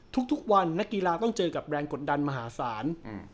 ทุกวันนักกีฬาต้องเจอกับแรงกดดันมหาศาล